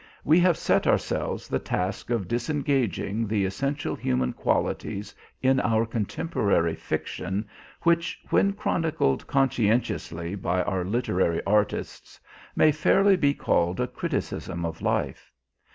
We have set ourselves the task of disengaging the essential human qualities in our contemporary fiction which, when chronicled conscientiously by our literary artists, may fairly be called a criticism of life.